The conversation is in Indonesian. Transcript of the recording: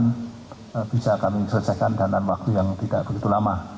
dan bisa kami selesaikan dalam waktu yang tidak begitu lama